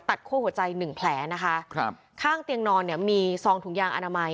ตัดคั่วหัวใจ๑แผลนะคะข้างเตียงนอนเนี่ยมีซองถุงยางอนามัย